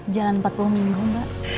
jalan empat puluh minggu mbak